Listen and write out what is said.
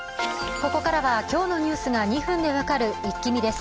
ここからは今日のニュースが２分で分かるイッキ見です。